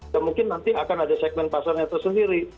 dan mungkin nanti akan ada segmen pasarnya tersendiri